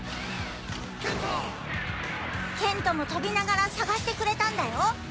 ケントも飛びながら捜してくれたんだよ。